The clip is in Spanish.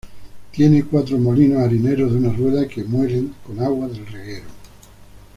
Tienen cuatro molinos harineros de una rueda, que muelen con agua del reguero.